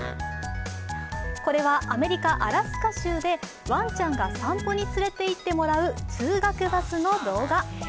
これは、アメリカ・アラスカ州でワンちゃんが散歩に連れていってもらう通学バスの動画。